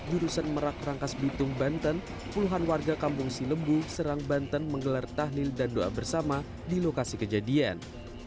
jurusan merak rangkas bitung banten puluhan warga kampung silembu serang banten menggelar tahlil dan doa bersama di lokasi kejadian